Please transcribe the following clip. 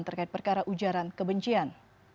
terkait perkara ujaran kebencian